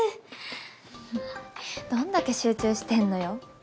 ふふっどんだけ集中してんのよ。